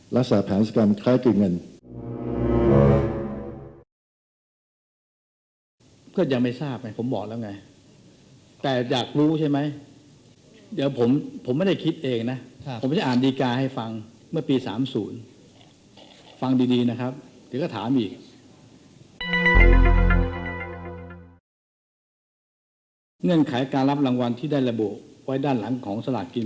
และสร้างผลันสกรรมคล้ายกับเงิน